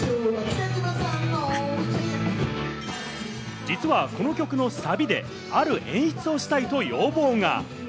実はこの曲のサビで、ある演出をしたいと要望が。